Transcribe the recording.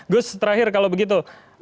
gus terakhir kalau begitu